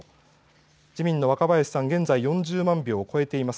自民の若林さん、現在４０万票を超えています。